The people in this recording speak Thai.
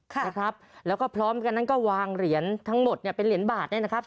ค่ะนะครับแล้วก็พร้อมกันนั้นก็วางเหรียญทั้งหมดเนี่ยเป็นเหรียญบาทเนี่ยนะครับ